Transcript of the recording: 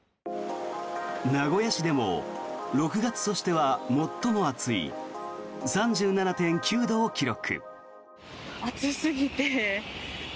名古屋市でも６月としては最も暑い３７．９度を記録。